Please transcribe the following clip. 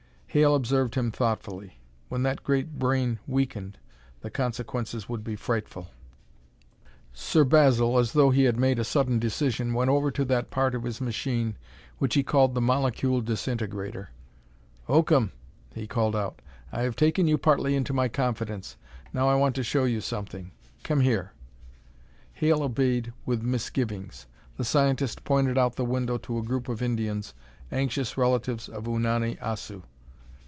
Hale observed him thoughtfully. When that great brain weakened, the consequences would be frightful. Sir Basil, as though he had made a sudden decision, went over to that part of his machine which he called the molecule disintegrator. "Oakham!" he called out. "I have taken you partly into my confidence. Now I want to show you something. Come here." Hale obeyed with misgivings. The scientist pointed out the window to a group of Indians, anxious relatives of Unani Assu.